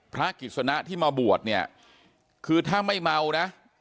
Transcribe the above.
พระกิจสนะที่มาบวชคือถ้าไม่เมานะ